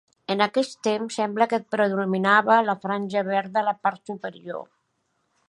En aquest temps sembla que predominava la franja verda a la part superior.